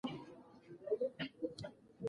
تاریخ د پوځيانو او علماءو کيسه کوي.